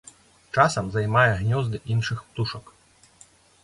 Часам займае гнёзды іншых птушак.